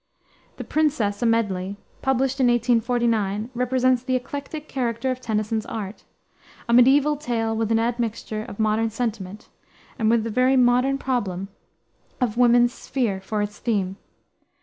The Princess, a Medley, published in 1849, represents the eclectic character of Tennyson's art; a medieval tale with an admixture of modern sentiment, and with the very modern problem of woman's sphere for its theme.